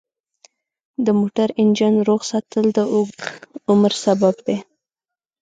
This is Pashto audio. د موټر انجن روغ ساتل د اوږده عمر سبب دی.